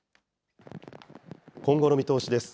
今後の見通しです。